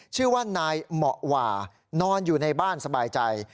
ชื่อว่านายเหมาะหวานอนอยู่ในบ้านสบายใจ